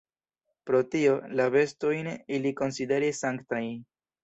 Pro tio, la bestojn ili konsideris sanktaj.